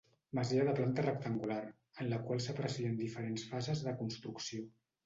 Masia de planta rectangular, en la qual s'aprecien diferents fases de construcció.